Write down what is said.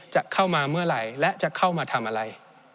จะเข้ามาเมื่อไหร่และจะเข้ามาทำอะไร